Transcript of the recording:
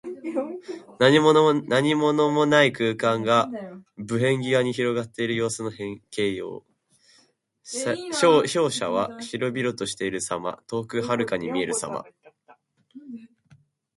何物もない空間が、無辺際に広がっている様子の形容。「縹渺」は広々としている様。遠くはるかに見えるさま。